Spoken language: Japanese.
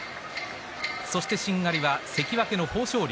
そして、しんがりは関脇の豊昇龍。